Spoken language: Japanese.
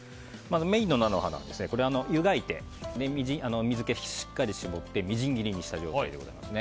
メインの菜の花は湯がいて水気をしっかり絞ってみじん切りにした状態です。